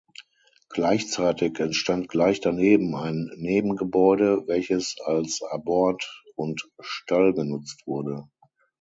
Gleichzeitig entstand gleich daneben ein Nebengebäude, welches als Abort und Stall genutzt wurde.